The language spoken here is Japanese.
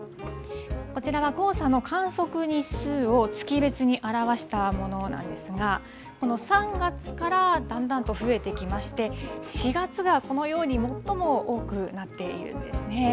こちらは黄砂の観測日数を月別に表したものなんですが、この３月からだんだんと増えてきまして、４月がこのように最も多くなっているんですね。